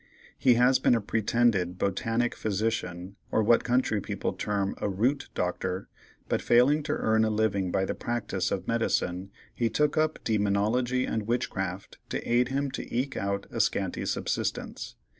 He has been a pretended "botanic physician," or what country people term a "root doctor;" but failing to earn a living by the practice of medicine, he took up "Demonology and Witchcraft" to aid him to eke out a scanty subsistence.